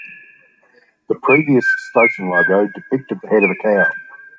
The previous station logo depicted the head of a cow.